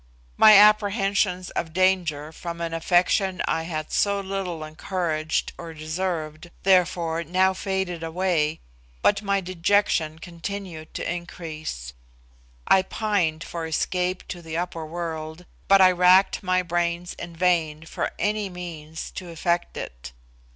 My apprehensions of danger from an affection I had so little encouraged or deserved, therefore, now faded away, but my dejection continued to increase. I pined for escape to the upper world, but I racked my brains in vain for any means to effect it.